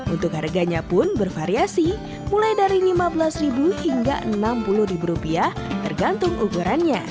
untuk harganya pun bervariasi mulai dari rp lima belas hingga rp enam puluh tergantung ukurannya